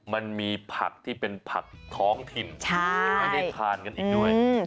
มันมีผักที่เป็นผักท้องถิ่นให้ได้ทานกันอีกด้วย